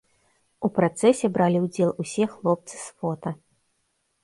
У працэсе бралі ўдзел усе хлопцы з фота.